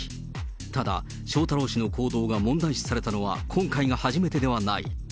ただ、翔太郎氏の行動が問題視されたのは、今回が初めてではない。